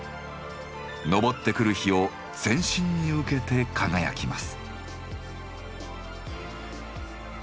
昇ってくる日を全身に受けて輝きます。